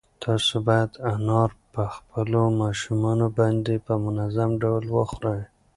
تاسو باید انار په خپلو ماشومانو باندې په منظم ډول وخورئ.